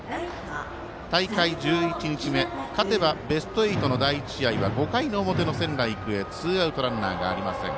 大会１１日目勝てばベスト８の第１試合は５回の表の仙台育英ツーアウト、ランナーありません。